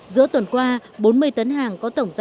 giữa tuần qua bốn mươi tấn hàng có tổng giá